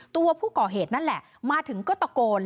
ตัวผู้ก่อเหตุนั่นแหละมาถึงก็ตะโกน